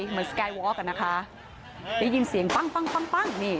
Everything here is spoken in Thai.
เหมือนสกายวอล์กล่ะนะคะได้ยินเสียงปั้งนี่